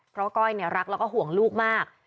เพราะก้อยรักแล้วก็ห่วงลูกมาก